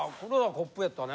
コップやったね。